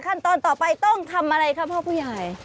ขั้นตอนต่อไปต้องทำอะไรครับพ่อผู้ใหญ่